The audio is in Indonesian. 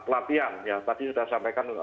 pelatihan tadi sudah sampaikan